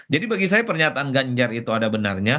bagi saya pernyataan ganjar itu ada benarnya